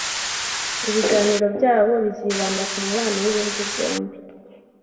Ibiganiro byabo bizibanda ku mubano w’ibihugu byombi